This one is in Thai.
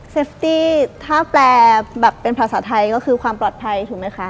ตี้ถ้าแปลแบบเป็นภาษาไทยก็คือความปลอดภัยถูกไหมคะ